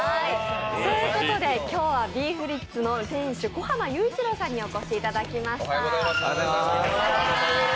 今日はビーフリッツの店主小濱雄一郎さんにお越しいただきました。